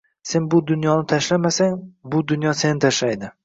Sen bu dunyoni tashlamasang, bu dunyo seni tashlaydi.